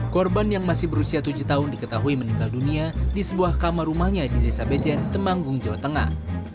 korban yang masih berusia tujuh tahun diketahui meninggal dunia di sebuah kamar rumahnya di desa bejen temanggung jawa tengah